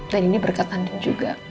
dan ini berkat andin juga